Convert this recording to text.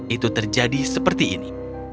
itu terjadi seperti ini